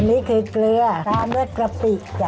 อันนี้คือเกลือความเมืองกะปิดค่ะ